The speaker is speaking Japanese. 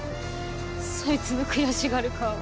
そいつの悔しがる顔